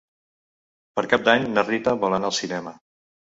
Per Cap d'Any na Rita vol anar al cinema.